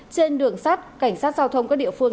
trên đường sắt cảnh sát giao thông các địa phương